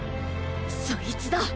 そいつだ！